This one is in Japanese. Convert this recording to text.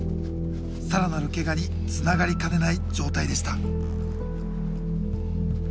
更なるけがにつながりかねない状態でした。